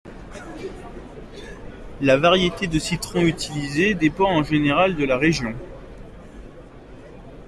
La variété de citron utilisé dépend en général de la région.